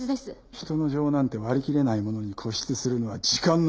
人の情なんて割り切れないものに固執するのは時間の無駄だ！